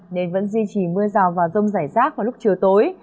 nên vẫn duy trì mưa rào và rông rải rác vào lúc chiều tối